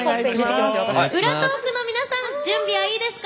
ウラトークの皆さん準備はいいですか？